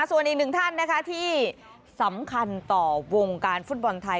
ส่วนอีกหนึ่งท่านนะคะที่สำคัญต่อวงการฟุตบอลไทย